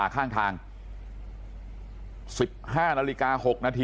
ครับคุณสาวทราบไหมครับ